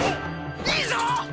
いいぞ！